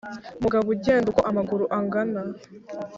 Mugabo ugenda uko amaguru angana.